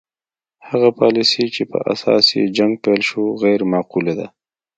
هغه پالیسي چې په اساس یې جنګ پیل شو غیر معقوله ده.